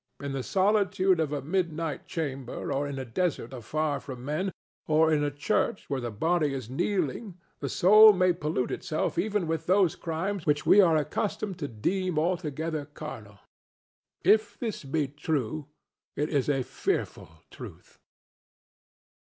In the solitude of a midnight chamber or in a desert afar from men or in a church while the body is kneeling the soul may pollute itself even with those crimes which we are accustomed to deem altogether carnal. If this be true, it is a fearful truth.